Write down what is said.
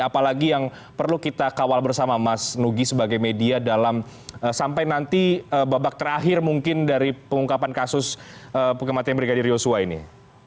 apalagi yang perlu kita kawal bersama mas nugi sebagai media dalam sampai nanti babak terakhir mungkin dari pengungkapan kasus pengamatan brigadir yosua ini